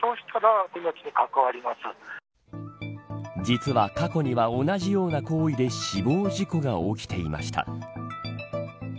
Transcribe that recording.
実は過去には同じような行為で死亡事故が起きていました。